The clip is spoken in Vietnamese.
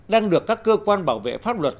đang được các cơ quan bảo vệ pháp luật